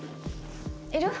いる？